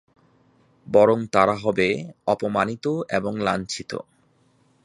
বরং তারা হবে অপমানিত ও লাঞ্ছিত।